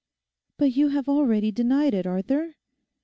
'But you have already denied it, Arthur.